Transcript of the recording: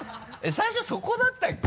最初そこだったっけ？